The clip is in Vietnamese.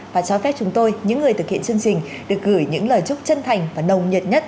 và cho phép chúng tôi những người thực hiện chương trình được gửi những lời chúc chân thành và nồng nhiệt nhất